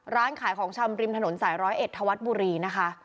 ร้านขายของชำริมถนนสายร้อยเอ็ดธวัดบุรีนะคะ